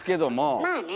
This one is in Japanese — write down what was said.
まあね。